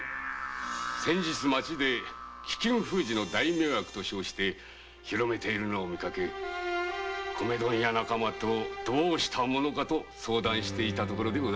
先日町で飢きん封じの大妙薬として広めているのを見かけ米問屋仲間とどうしたものかと相談していたところで。